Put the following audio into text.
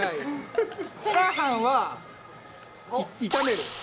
チャーハンは炒める。